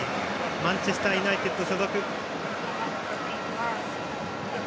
マンチェスターユナイテッド所属。